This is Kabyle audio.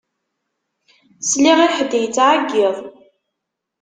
Sliɣ i ḥedd yettɛeyyiḍ.